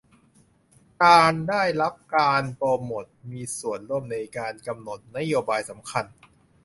การได้รับการโปรโมตมีส่วนร่วมในการกำหนดนโยบายสำคัญ